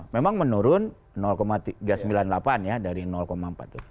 memang menurun tiga ratus sembilan puluh delapan ya dari empat puluh tujuh